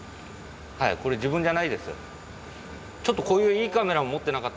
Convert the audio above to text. これ自分じゃないです。